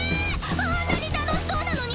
あんなに楽しそうなのに？